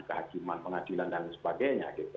kehakiman pengadilan dan sebagainya